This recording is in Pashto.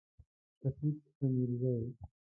شفیق امیرزی